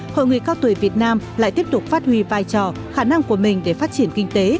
hội người cao tuổi việt nam lại tiếp tục phát huy vai trò khả năng của mình để phát triển kinh tế